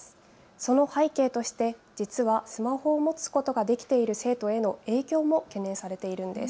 その背景として実はスマホを持つことができる生徒への影響も懸念されているんです。